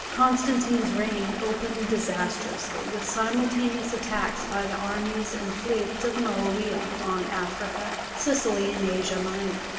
Constantine's reign opened disastrously, with simultaneous attacks by the armies and fleets of Moawiah on Africa, Sicily, and Asia Minor.